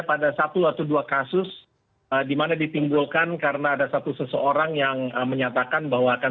pada satu atau dua kasus dimana ditimbulkan karena ada satu seseorang yang menyatakan bahwa akan